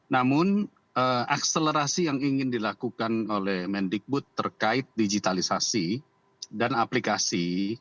namun akselerasi yang ingin dilakukan oleh mendikbud terkait digitalisasi dan aplikasi